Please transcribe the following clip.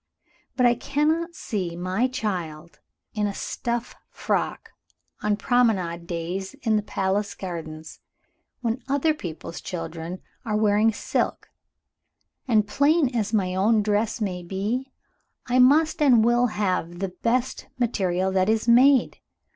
But I cannot see my child in a stuff frock, on promenade days in the Palace Gardens, when other people's children are wearing silk. And plain as my own dress may be, I must and will have the best material that is made.